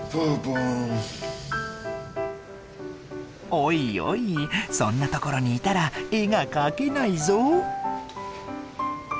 おいおいそんな所にいたら絵が描けないぞ。